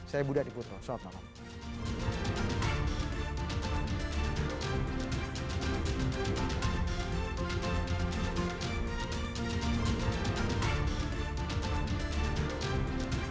saya budha diputro salam